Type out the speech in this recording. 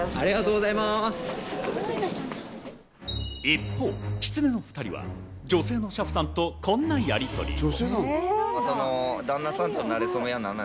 一方、きつねの２人は女性の車夫さんとこんなやりとりを。